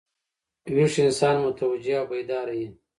ویښ انسان متوجه او بیداره يي.